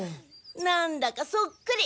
なんだかそっくり。